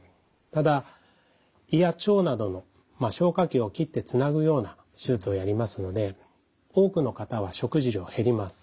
ただ胃や腸などの消化器を切ってつなぐような手術をやりますので多くの方は食事量が減ります。